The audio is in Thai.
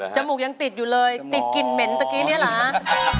จมูกยังติดอยู่เลยติดกลิ่นเหม็นตะกี้เนี่ยเหรอ